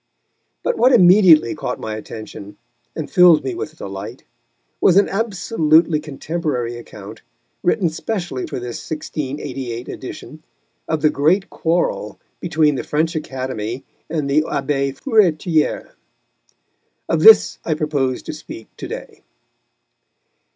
But what immediately caught my attention, and filled me with delight, was an absolutely contemporary account, written specially for this 1688 edition, of the great quarrel between the French Academy and the Abbé Furetière. Of this I propose to speak to day.